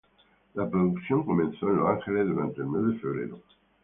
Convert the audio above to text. La producción comenzó en Los Ángeles durante el mes de febrero.